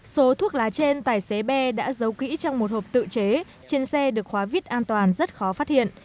số thuốc lá trên tài xế b đã giấu kỹ trong một hộp tự chế trên xe được khóa vít an toàn rất khó phát hiện